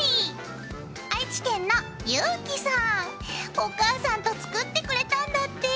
お母さんと作ってくれたんだって。